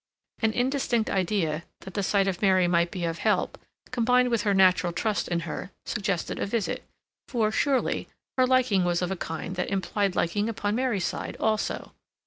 An indistinct idea that the sight of Mary might be of help, combined with her natural trust in her, suggested a visit; for, surely, her liking was of a kind that implied liking upon Mary's side also.